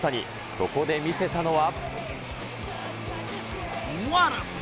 そこで見せたのは。